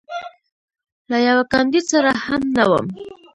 له یوه کاندید سره هم نه وم.